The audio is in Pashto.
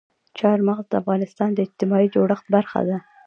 چار مغز د افغانستان د اجتماعي جوړښت برخه ده.